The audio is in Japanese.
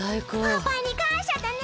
パパにかんしゃだね。